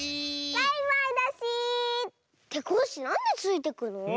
バイバイだし！ってコッシーなんでついていくの？